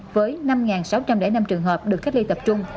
với năm sáu trăm linh năm trường hợp được cách ly tập trung